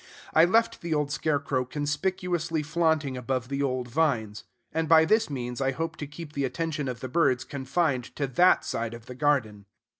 I left the old scarecrow conspicuously flaunting above the old vines; and by this means I hope to keep the attention of the birds confined to that side of the garden.